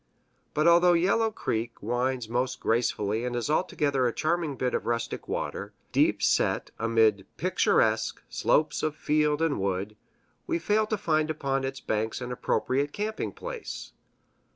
But although Yellow Creek winds most gracefully and is altogether a charming bit of rustic water, deep set amid picturesque slopes of field and wood, we fail to find upon its banks an appropriate camping place.